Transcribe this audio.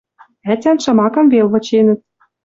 Ӓтян шамакым вел выченӹт.